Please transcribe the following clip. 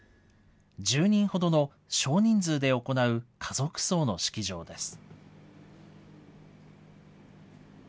１０人ほどの少人数で行う家族葬の式場です。